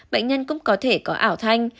bệnh nhân cũng có thể có ảo thanh